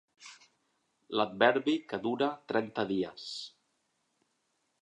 L'adverbi que dura trenta dies.